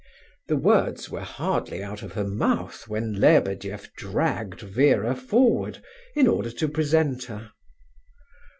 The words were hardly out of her mouth, when Lebedeff dragged Vera forward, in order to present her.